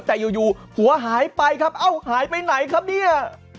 แต่อยู่หัวหายไปครับเอ้าหายไปไหนครับเนี่ย